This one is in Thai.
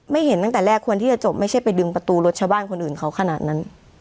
เห็นตั้งแต่แรกควรที่จะจบไม่ใช่ไปดึงประตูรถชาวบ้านคนอื่นเขาขนาดนั้น